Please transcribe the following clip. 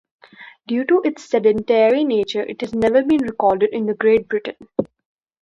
Due to its sedentary nature it has never been recorded in Great Britain.